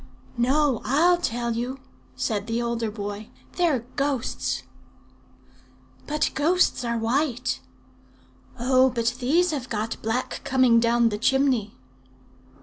"'No; I'll tell you,' said the older boy: 'they're ghosts.' "'But ghosts are white.' "'Oh! but these have got black coming down the chimney.'